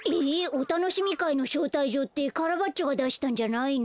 おたのしみかいのしょうたいじょうってカラバッチョがだしたんじゃないの？